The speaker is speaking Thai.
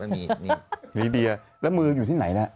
นี่ลีเดียแล้วมืออยู่ที่ไหนนะ